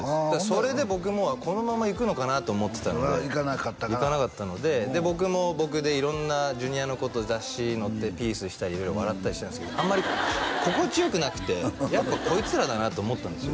それで僕もこのままいくのかなと思ってたんでいかなかったのでで僕も僕で色んなＪｒ．の子と雑誌載ってピースしたり色々笑ったりしてたんですけどあんまり心地よくなくてやっぱこいつらだなと思ったんですよ